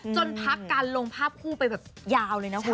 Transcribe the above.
พักการลงภาพคู่ไปแบบยาวเลยนะคุณ